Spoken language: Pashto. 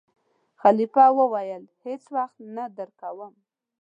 خلیفه وویل: هېڅ وخت نه درکووم.